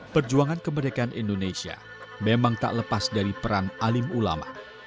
perjuangan kemerdekaan indonesia memang tak lepas dari peran alim ulama